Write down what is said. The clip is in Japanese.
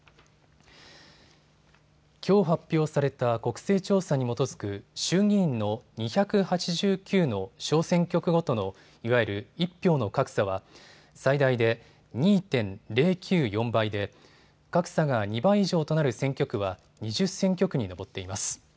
きょう発表された国勢調査に基づく衆議院の２８９の小選挙区ごとのいわゆる１票の格差は最大で２．０９４倍で格差が２倍以上となる選挙区は２０選挙区に上っています。